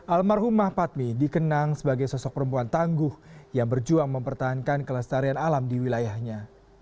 almarhumah patmi dikenang sebagai sosok perempuan tangguh yang berjuang mempertahankan kelestarian alam di wilayahnya